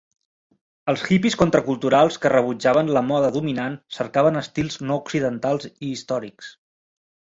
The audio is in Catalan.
Els hippies contraculturals que rebutjaven la moda dominant cercaven estils no occidentals i històrics.